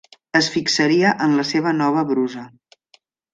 Es fixaria en la seva nova brusa.